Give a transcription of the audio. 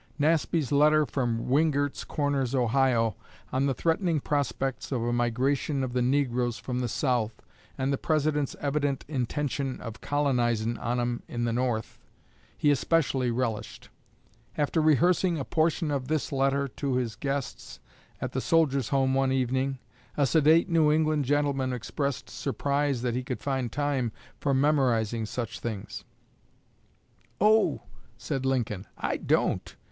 Nasby's letter from "Wingert's Corners, Ohio," on the threatening prospects of a migration of the negroes from the South, and the President's "evident intenshun of colonizin' on 'em in the North," he especially relished. After rehearsing a portion of this letter to his guests at the Soldiers' Home one evening, a sedate New England gentleman expressed surprise that he could find time for memorizing such things. "Oh," said Lincoln, "I don't.